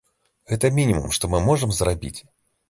Гэта мінімум, што мы можам зрабіць.